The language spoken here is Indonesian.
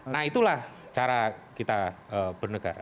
nah itulah cara kita bernegara